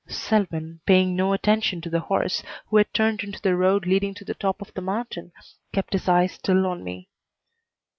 Selwyn, paying no attention to the horse, who had turned into the road leading to the top of the mountain, kept his eyes still on me.